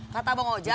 kata bang ojak